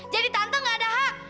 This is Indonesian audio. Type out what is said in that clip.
jadi tante gak ada hak